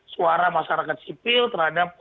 suara masyarakat sipil terhadap